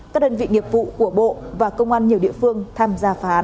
các đơn vị nghiệp vụ của bộ và công an nhiều địa phương tham gia phá